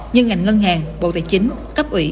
như ngành ngân hàng bộ tài chính cấp ủy